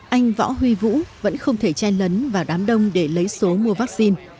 anh võ huy vũ vẫn không thể chen lấn vào đám đông để lấy số mua vaccine